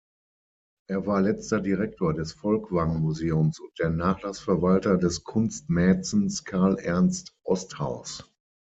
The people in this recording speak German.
Er war letzter Direktor des Folkwang-Museums und der Nachlassverwalter des Kunstmäzens Karl Ernst Osthaus.